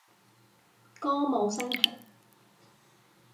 歌舞昇平